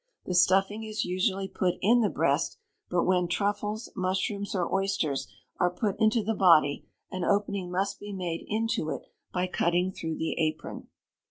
The stuffing is usually put in the breast; but when truffles, mushrooms, or oysters are put into the body, an opening must be made into it by cutting through the apron.